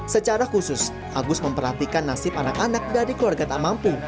secara khusus agus memperhatikan nasib anak anak dari keluarga tak mampu